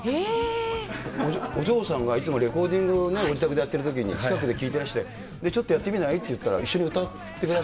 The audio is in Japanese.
お嬢さんがいつもレコーディング、自宅でやってるときに、近くで聴いてらして、ちょっとやってみない？って言ったら、そうそう。